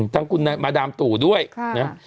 ทั้งคุณมาดามตู่ด้วยนะ